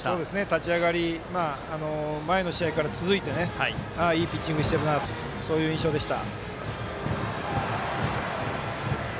立ち上がり前の試合から続いていいピッチングしてるなという印象でした。